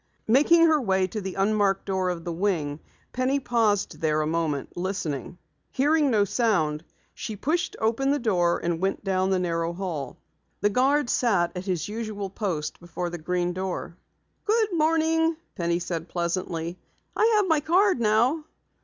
Making her way to the unmarked door of the wing, Penny paused there a moment, listening. Hearing no sound she pushed open the door and went down the narrow hall. The guard sat at his usual post before the Green Door. "Good morning," said Penny pleasantly. "I have my card now."